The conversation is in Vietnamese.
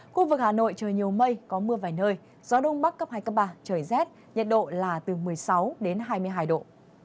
khu vực hà nội trời nhiều mây có mưa vài nơi gió đông bắc cấp hai cấp ba trời rét nhiệt độ là từ một mươi sáu đến hai mươi hai độ